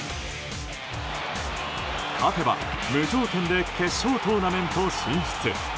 勝てば、無条件で決勝トーナメント進出。